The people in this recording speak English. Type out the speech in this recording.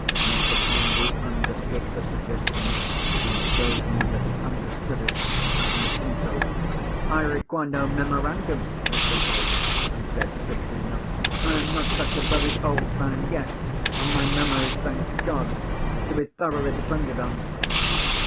Mr. Candy understood the suggestion, and showed me that he understood it, as an insult. "I require no memorandum, Mr. Blake," he said, stiffly enough. "I am not such a very old man, yet—and my memory (thank God) is to be thoroughly depended on!"